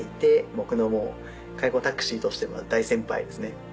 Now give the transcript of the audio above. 僕のもう介護タクシーとしての大先輩ですね。